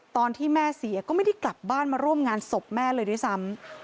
ตอนที่แม่เสียก็ไม่ได้กลับบ้านมาร่วมงานศพแม่เลยด้วยซ้ำ